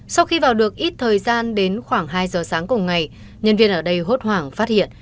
sau khi vào được ít thời gian đến khoảng hai giờ sáng cùng ngày nhân viên ở đây hốt hoảng phát hiện